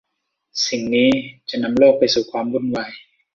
สิ่งนี้จะนำโลกไปสู่ความวุ่นวาย